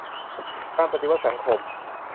การปฏิวัติสังคม